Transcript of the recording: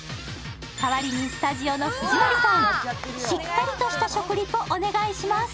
代わりにスタジオの藤森さん、しっかりとした食リポお願いします。